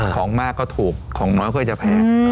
ของมากก็ถูกของน้อยก็จะแพง